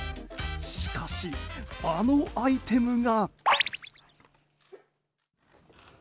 しかし、あのアイテムが。